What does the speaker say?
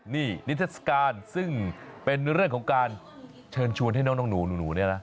นี่นิทัศกาลซึ่งเป็นเรื่องของการเชิญชวนให้น้องหนูเนี่ยนะ